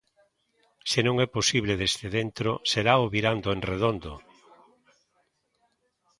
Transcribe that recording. Se non é posible desde dentro serao virando en redondo.